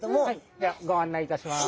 じゃご案内いたします。